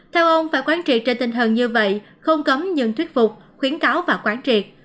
theo ông phải quán trị trên tinh thần như vậy không cấm nhưng thuyết phục khuyến cáo và quán triệt